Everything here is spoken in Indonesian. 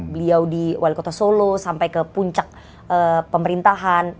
beliau di wali kota solo sampai ke puncak pemerintahan